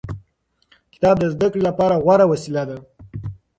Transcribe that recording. کتاب د زده کړې لپاره غوره وسیله ده.